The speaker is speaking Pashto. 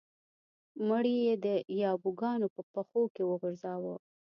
مړی یې د یابو ګانو په پښو کې وغورځاوه.